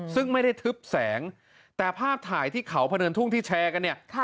ซึ่งไม่ได้ทึบแสงแต่ภาพถ่ายที่เขาพะเนินทุ่งที่แชร์กันเนี่ย